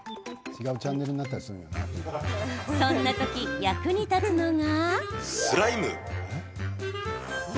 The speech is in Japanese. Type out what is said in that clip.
そんな時、役に立つのが。